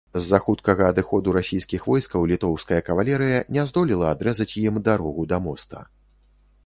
З-за хуткага адыходу расійскіх войскаў літоўская кавалерыя не здолела адрэзаць ім дарогу да моста.